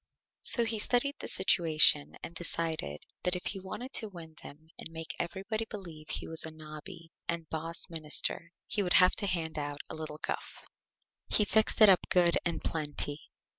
So he studied the Situation and decided that if he wanted to Win them and make everybody believe he was a Nobby and Boss Minister he would have to hand out a little Guff. He fixed it up Good and Plenty.